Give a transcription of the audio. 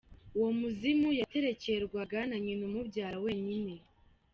Uwo muzimu yaterekerwaga na nyina umubyara wenyine.